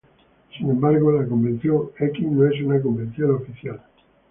Sin embargo, la convención X no es una convención oficial.